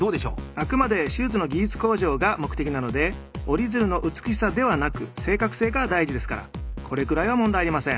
あくまで手術の技術向上が目的なので折り鶴の美しさではなく正確性が大事ですからこれくらいは問題ありません。